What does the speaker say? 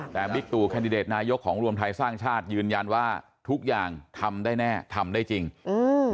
แต่บิ๊กตู่แคนดิเดตนายกของรวมไทยสร้างชาติยืนยันว่าทุกอย่างทำได้แน่ทำได้จริงอืม